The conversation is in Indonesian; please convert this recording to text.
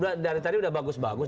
dari tadi udah bagus bagus